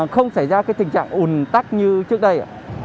không xảy ra tình trạng ủn tắc như trước đây